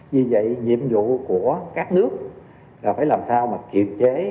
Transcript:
vì vậy nhiệm vụ của các nước là phải làm sao mà kiềm chế